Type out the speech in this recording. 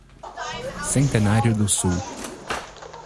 Centenário do Sul